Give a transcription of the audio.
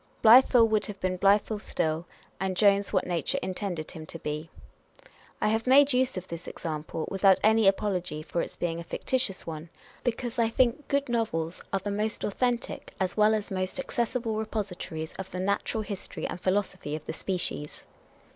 Blifil would have been Blifil still, and Jones what nature intended him to be. I have made use of this example without any apology for its being a fictitious one, because I think good novels are T 2 324 On Personal Character. the most authentic as well as most accessible repositories of the natural history and philosophy of the species.